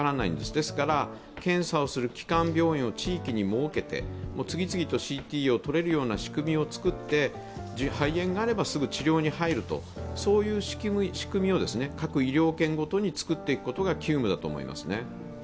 ですから、検査する基幹病院を地域に設けて次々とＣＴを撮れるような仕組みを作って、肺炎があればすぐに治療に入るという仕組みを各医療圏ごとにつくっていくことが急務だと思います。